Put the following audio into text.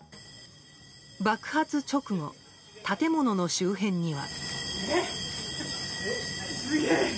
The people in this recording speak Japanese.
爆発直後、建物の周辺には。